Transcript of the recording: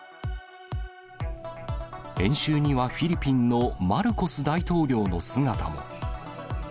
演習にはフィリピンのマルコス大統領の姿も。